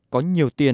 có nhiều tiền